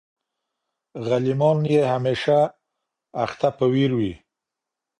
غلیمان یې همېشمه اخته په ویر وي